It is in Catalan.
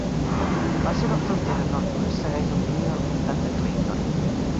La seva frontera nord-oest segueix la línia del comtat de Clayton.